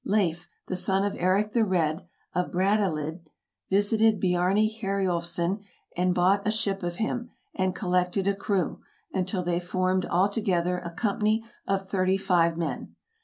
Leif, the son of Eric the Red, of Brattahlid, visited Biarni Heriulfsson and bought a ship of him, and collected a crew, until they formed altogether a company of thirty five men.